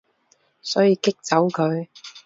所以激走佢